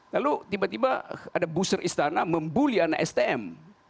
lalu tiba tiba ada booster istana membuli anak stm